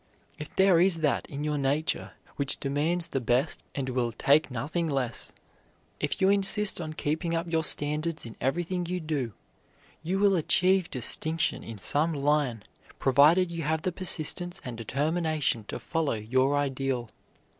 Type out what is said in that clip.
If there is that in your nature which demands the best and will take nothing less; if you insist on keeping up your standards in everything you do, you will achieve distinction in some line provided you have the persistence and determination to follow your ideal.